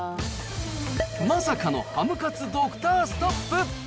まさかのハムカツドクターストップ。